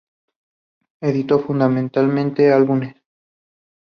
Editó fundamentalmente álbumes.